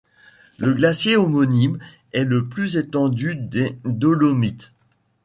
Le glacier homonyme est le plus étendu des Dolomites.